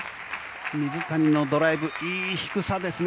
水谷のドライブいい低さですね。